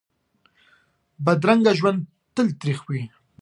بدرنګه ژوند تل تریخ وي